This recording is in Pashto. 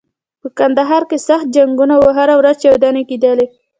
په کندهار کې سخت جنګونه و او هره ورځ چاودنې کېدلې.